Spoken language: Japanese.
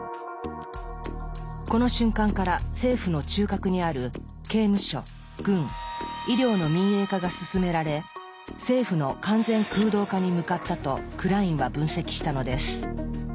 この瞬間から政府の中核にある刑務所軍医療の民営化が進められ「政府の完全空洞化」に向かったとクラインは分析したのです。